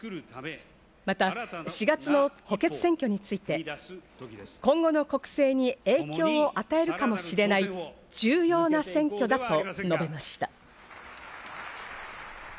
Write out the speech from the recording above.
また４月の補欠選挙について、今後の国政に影響を与えるかもしれない重要な選挙だと述べました。